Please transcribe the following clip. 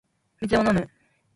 水を飲む